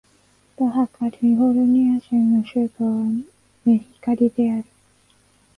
バハ・カリフォルニア州の州都はメヒカリである